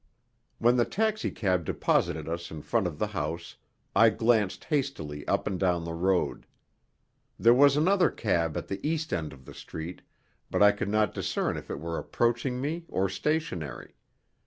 When the taxicab deposited us in front of the house, I glanced hastily up and down the road. There was another cab at the east end of the street, but I could not discern if it were approaching me or stationary.